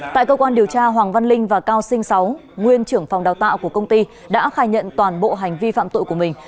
tại cơ quan điều tra hoàng văn linh và cao sinh sáu nguyên trưởng phòng đào tạo của công ty đã khai nhận toàn bộ hành vi phạm tội của mình